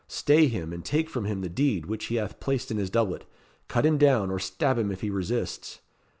Stay him and take from him the deed which he hath placed in his doublet. Cut him down, or stab him if he resists."